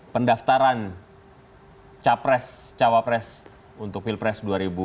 pendaftaran capres cawapres untuk pilpres dua ribu sembilan belas